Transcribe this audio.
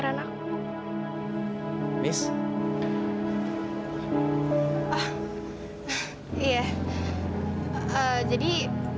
udah udah cantik